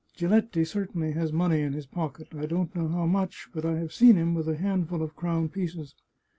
Giletti certainly has money in his pocket. I don't know how much, but I have seen him with a handful of crown pieces.